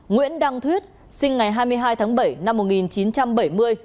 nguyễn đăng thuyết sinh ngày hai mươi hai tháng bảy năm một nghìn chín trăm bảy mươi